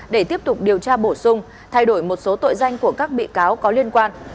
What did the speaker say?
để tiếp tục điều tra bổ sung thay đổi một số tội danh của các bị cáo có liên quan